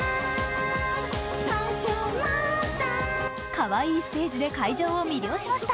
カワイイステージで会場を魅了しました、